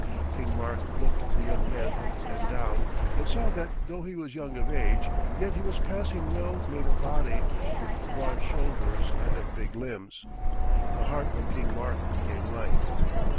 King Mark looked the young man up and down, and saw that though he was young of age, yet he was passing well made of body, with broad shoulders and of big limbs. The heart of King Mark became light.